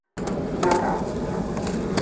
渣打银行。